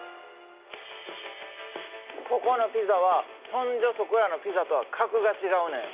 ここのピザはそんじょそこらのピザとは格が違うねん。